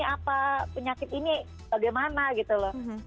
apa penyakit ini bagaimana gitu loh